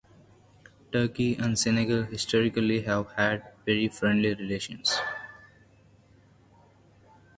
Turkey and Senegal historically have had very friendly relations.